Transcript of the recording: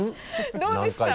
どうですか？